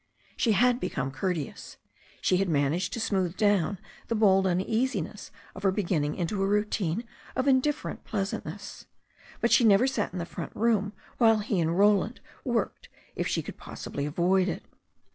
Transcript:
She had become courteous. She had managed to smooth down the bald uneasiness of her beginning into a routine of indifferent pleasantness. But she never sat in the front room while he and Roland worked if she could possibly avoid it.